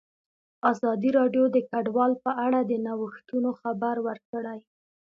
ازادي راډیو د کډوال په اړه د نوښتونو خبر ورکړی.